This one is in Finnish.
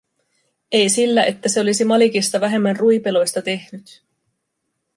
Ei sillä, että se olisi Malikista vähemmän ruipeloista tehnyt.